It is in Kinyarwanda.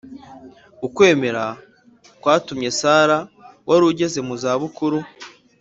ukwemera kwatumye sara wari ugeze mu zabukuru